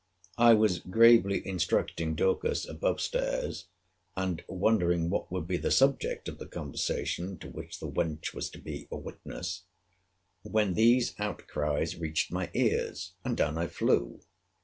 I was gravely instructing Dorcas above stairs, and wondering what would be the subject of the conversation to which the wench was to be a witness, when these outcries reached my ears. And down I flew.